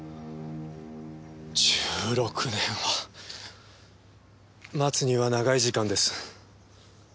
１６年は待つには長い時間です。